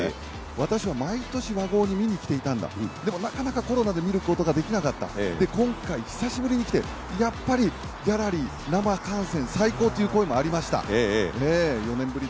私は毎年、和合に見に来ていたんだでもなかなかコロナで見ることができなかった今回、久しぶりに来てやっぱりギャラリー、生観戦、最高という声もありました。